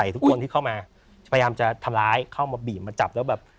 ทุกคนที่เข้ามาพยายามจะทำร้ายเข้ามาบีบมาจับแล้วแบบ